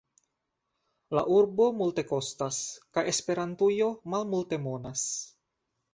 La urbo multekostas kaj Esperantujo malmultemonas.